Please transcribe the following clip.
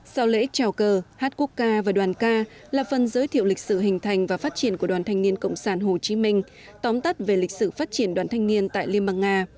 sau lễ trào cờ hát quốc ca và đoàn ca là phần giới thiệu lịch sử hình thành và phát triển của đoàn thanh niên cộng sản hồ chí minh tóm tắt về lịch sử phát triển đoàn thanh niên tại liên bang nga